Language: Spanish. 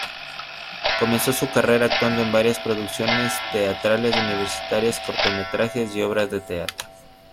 Comenzó su carrera actuando en varias producciones teatrales universitarias, cortometrajes y obras de teatro.